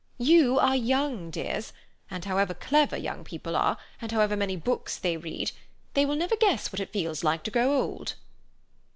You are young, dears, and however clever young people are, and however many books they read, they will never guess what it feels like to grow old."